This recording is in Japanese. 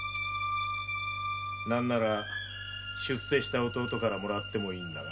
何なら出世した弟から貰ってもいいんだ。